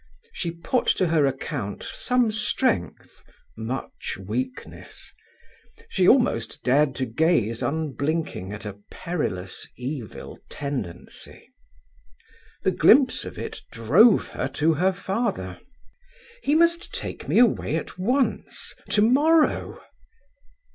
She put to her account some strength, much weakness; she almost dared to gaze unblinking at a perilous evil tendency. The glimpse of it drove her to her father. "He must take me away at once; to morrow!"